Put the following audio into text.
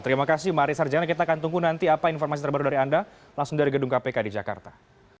terima kasih mari sarjana kita akan tunggu nanti apa informasi terbaru dari anda langsung dari gedung kpk di jakarta